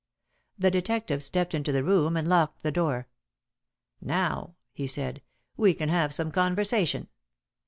The detective stepped into the room and locked the door. "Now," he said, "we can have some conversation.